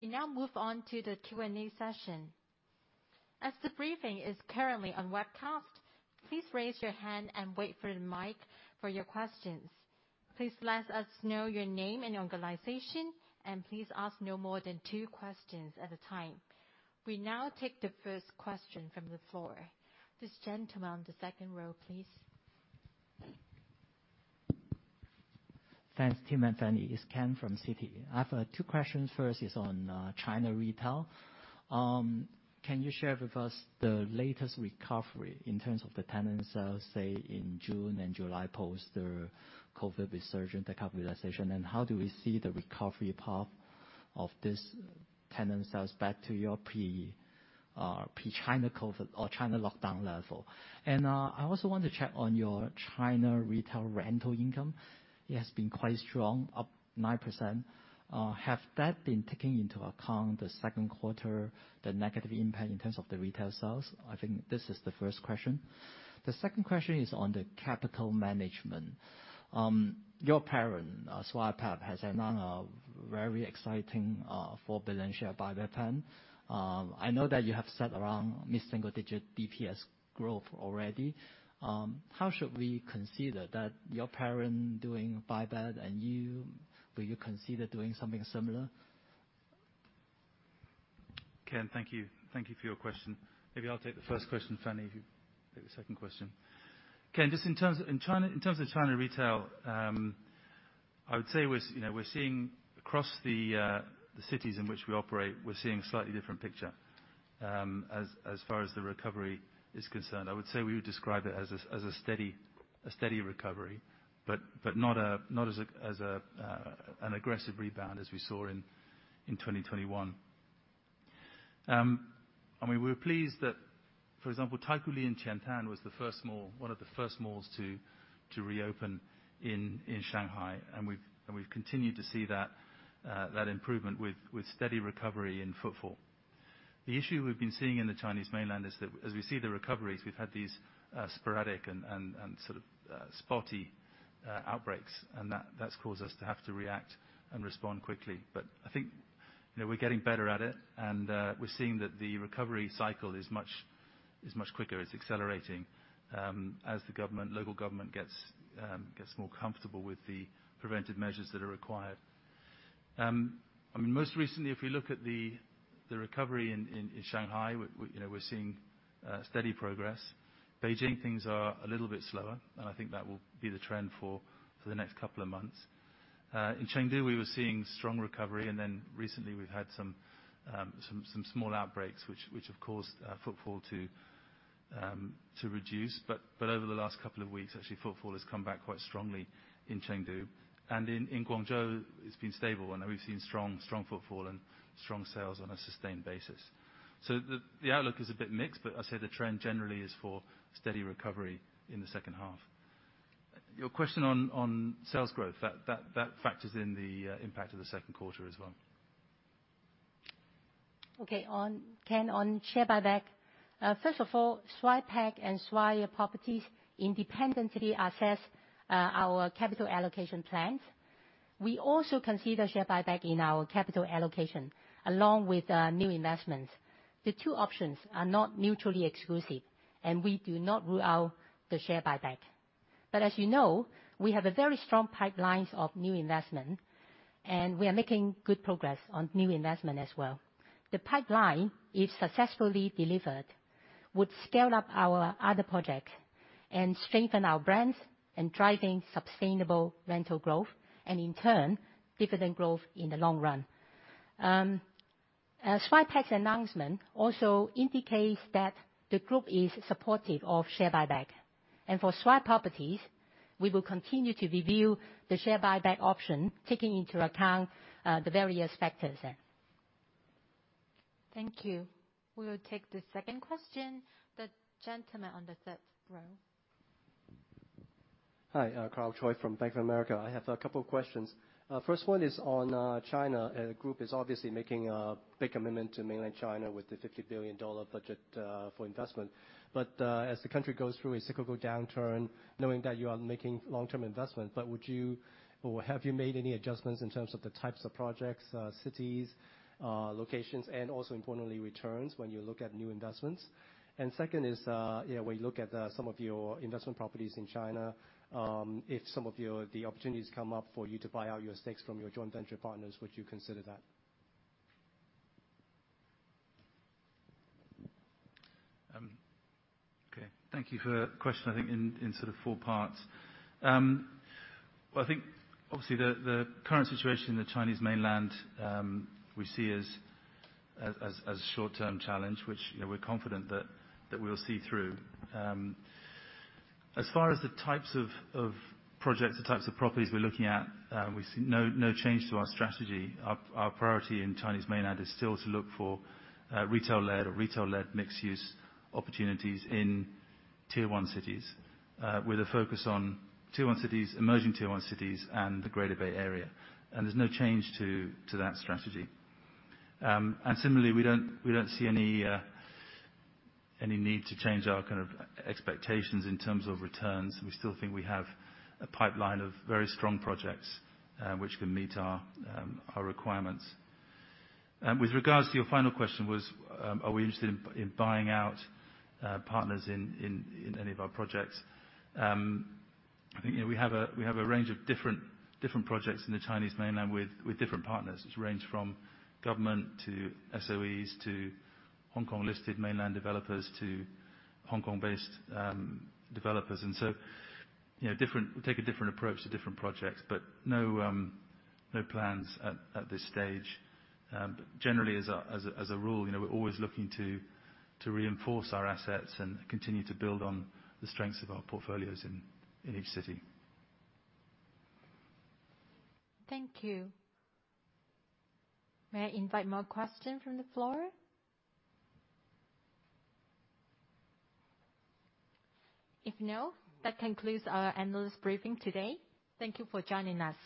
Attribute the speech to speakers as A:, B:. A: We now move on to the Q&A session. As the briefing is currently on webcast, please raise your hand and wait for the mic for your questions. Please let us know your name and organization, and please ask no more than two questions at a time. We now take the first question from the floor. This gentleman on the second row, please.
B: Thanks, Tim and Fanny. It's Ken from Citi. I have two questions. First is on China retail. Can you share with us the latest recovery in terms of the tenant sales, say, in June and July post the COVID resurgence, the capitalization? How do we see the recovery path of this tenant sales back to your pre-China COVID or China lockdown level? I also want to check on your China retail rental income. It has been quite strong, up 9%. Have that been taking into account the second quarter, the negative impact in terms of the retail sales? I think this is the first question. The second question is on the capital management. Your parent, Swire Pacific, has announced a very exciting 4 billion share buyback plan. I know that you have set around mid-single digit bps growth already. How should we consider that your parent doing buyback and you, will you consider doing something similar?
C: Ken, thank you. Thank you for your question. Maybe I'll take the first question, Fanny, if you take the second question. Ken, just in terms of China retail, I would say we're, you know, seeing across the cities in which we operate, we're seeing a slightly different picture as far as the recovery is concerned. I would say we would describe it as a steady recovery, but not as an aggressive rebound as we saw in 2021. I mean, we're pleased that, for example, Taikoo Li in Qiantan was the first mall, one of the first malls to reopen in Shanghai, and we've continued to see that improvement with steady recovery in footfall. The issue we've been seeing in the Chinese mainland is that as we see the recoveries, we've had these sporadic and sort of spotty outbreaks, and that's caused us to have to react and respond quickly. I think, you know, we're getting better at it, and we're seeing that the recovery cycle is much quicker. It's accelerating as the local government gets more comfortable with the preventive measures that are required. I mean, most recently, if we look at the recovery in Shanghai, we, you know, we're seeing steady progress. Beijing, things are a little bit slower, and I think that will be the trend for the next couple of months. In Chengdu, we were seeing strong recovery, and then recently we've had some small outbreaks, which, of course, footfall to reduce. Over the last couple of weeks, actually footfall has come back quite strongly in Chengdu. In Guangzhou, it's been stable, and we've seen strong footfall and strong sales on a sustained basis. The outlook is a bit mixed, but I'd say the trend generally is for steady recovery in the second half. Your question on sales growth, that factors in the impact of the second quarter as well.
D: Okay. Ken, on share buyback. First of all, Swire Pacific and Swire Properties independently assess our capital allocation plans. We also consider share buyback in our capital allocation, along with new investments. The two options are not mutually exclusive, and we do not rule out the share buyback. As you know, we have a very strong pipelines of new investment, and we are making good progress on new investment as well. The pipeline, if successfully delivered, would scale up our other project and strengthen our brands and driving sustainable rental growth and, in turn, dividend growth in the long run. Swire Pacific's announcement also indicates that the group is supportive of share buyback. For Swire Properties, we will continue to review the share buyback option, taking into account the various factors there.
A: Thank you. We'll take the second question. The gentleman on the third row.
E: Hi. Karl Choi from Bank of America. I have a couple questions. First one is on China. The group is obviously making a big commitment to mainland China with the 50 billion dollar budget for investment. As the country goes through a cyclical downturn, knowing that you are making long-term investment, but would you or have you made any adjustments in terms of the types of projects, cities, locations, and also importantly, returns when you look at new investments? Second is, you know, we look at some of your investment properties in China, if some of the opportunities come up for you to buy out your stakes from your joint venture partners, would you consider that?
C: Okay. Thank you for the question. I think in sort of four parts. I think obviously the current situation in the Chinese mainland, we see as short-term challenge, which, you know, we're confident that we'll see through. As far as the types of projects, the types of properties we're looking at, we see no change to our strategy. Our priority in Chinese mainland is still to look for retail-led mixed-use opportunities in Tier One cities, with a focus on Tier One cities, emerging Tier One cities and the Greater Bay Area, and there's no change to that strategy. Similarly, we don't see any need to change our kind of expectations in terms of returns. We still think we have a pipeline of very strong projects, which can meet our requirements. With regards to your final question was, are we interested in buying out partners in any of our projects? I think, you know, we have a range of different projects in the Chinese mainland with different partners, which range from government to SOEs, to Hong Kong-listed mainland developers, to Hong Kong-based developers. You know, we take a different approach to different projects, but no plans at this stage. Generally as a rule, you know, we're always looking to reinforce our assets and continue to build on the strengths of our portfolios in each city.
A: Thank you. May I invite more question from the floor? If no, that concludes our analyst briefing today. Thank you for joining us.